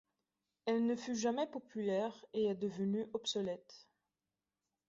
Elle ne fut jamais populaire et est devenue obsolète.